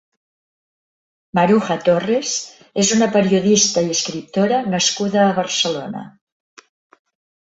Maruja Torres és una periodista i escriptora nascuda a Barcelona.